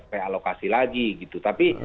realokasi lagi gitu tapi